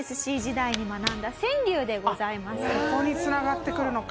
ここに繋がってくるのか。